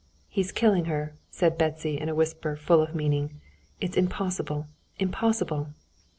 "He's killing her," said Betsy in a whisper full of meaning. "It's impossible, impossible...."